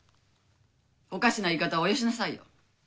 おかしな言い方はおよしなさいよ。